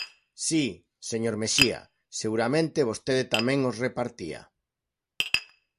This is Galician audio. Si, señor Mexía, seguramente vostede tamén os repartía.